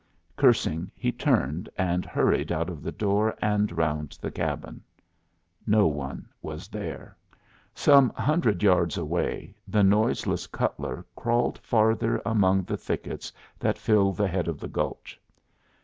Cursing, he turned and hurried out of the door and round the cabin. No one was there. Some hundred yards away the noiseless Cutler crawled farther among the thickets that filled the head of the gulch.